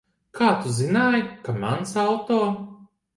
Kā tu zināji, ka mans auto?